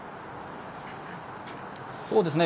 そうですね。